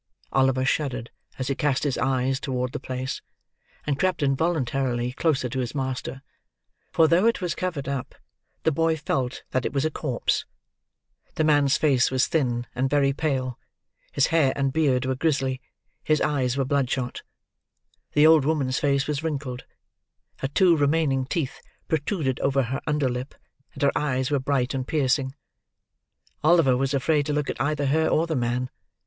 Oliver shuddered as he cast his eyes toward the place, and crept involuntarily closer to his master; for though it was covered up, the boy felt that it was a corpse. The man's face was thin and very pale; his hair and beard were grizzly; his eyes were bloodshot. The old woman's face was wrinkled; her two remaining teeth protruded over her under lip; and her eyes were bright and piercing. Oliver was afraid to look at either her or the man.